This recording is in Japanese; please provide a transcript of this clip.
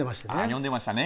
読んでましたね。